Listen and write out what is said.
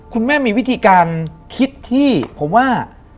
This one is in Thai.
คุณแม่มีวิธีการคิดที่ผมว่า